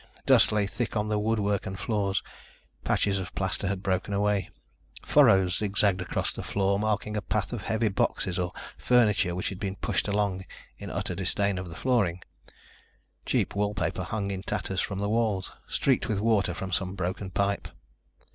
Dust lay thick on the woodwork and floors. Patches of plaster had broken away. Furrows zigzagged across the floor, marking the path of heavy boxes or furniture which had been pushed along in utter disdain of the flooring. Cheap wall paper hung in tatters from the walls, streaked with water from some broken pipe.